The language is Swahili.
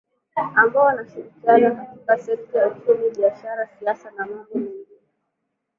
ambao wanashirikiana katika sekta ya uchumi biashara siasa na mambo mengine